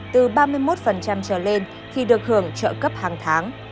từ ba mươi một trở lên thì được hưởng trợ cấp hàng tháng